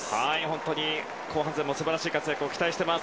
本当に後半戦も素晴らしい活躍を期待しています。